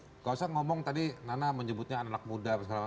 enggak usah ngomong tadi nana menyebutnya anak muda apa segala macam